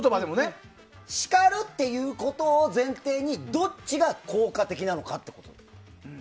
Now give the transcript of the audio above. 叱るということを前提にどっちが効果的なのかっていうこと。